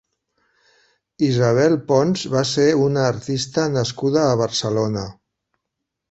Isabel Pons va ser una artista nascuda a Barcelona.